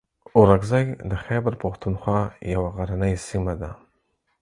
اورکزۍ د خیبر پښتونخوا یوه غرنۍ سیمه ده.